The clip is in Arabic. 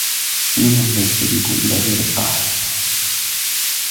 فَمِنْهُمْ مَنْ يَسْتَجِيبُ إلَى فِعْلِ الطَّاعَاتِ